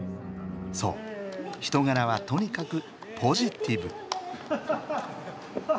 そう人柄はとにかくポジティブ。